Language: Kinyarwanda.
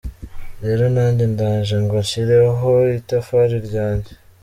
Rero nanjye ndaje ngo nshireho itafari ryanjye.